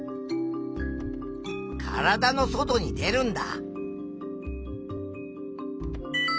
体の外に出るんだ。